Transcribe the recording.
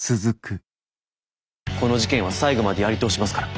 この事件は最後までやり通しますから。